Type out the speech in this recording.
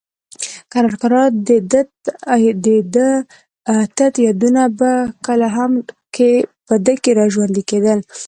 کرار کرار د ده تت یادونه په ده کې را ژوندي کېدل.